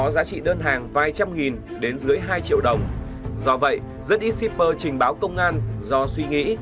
rất ít shipper trình báo công an do suy nghĩ